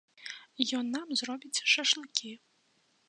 Ён нам зробіць шашлыкі.